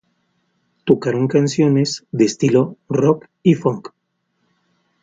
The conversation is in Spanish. Tocaron canciones de estilo Rock y Funk.